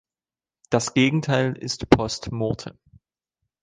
Das Gegenteil ist "post mortem".